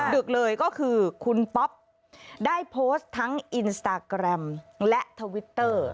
ดึกเลยก็คือคุณป๊อปได้โพสต์ทั้งอินสตาแกรมและทวิตเตอร์